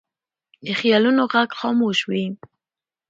د خیالونو غږ خاموش وي